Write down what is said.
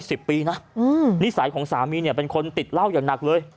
สิบปีนะอืมนิสัยของสามีเนี่ยเป็นคนติดเหล้าอย่างหนักเลย